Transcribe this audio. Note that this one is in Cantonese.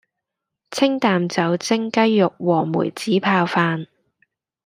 清淡酒蒸雞肉和梅子泡飯